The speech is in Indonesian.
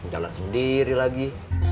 jalan sendiri lagi